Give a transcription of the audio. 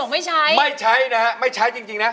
ไม่ใช้นะครับไม่ใช้จริงนะ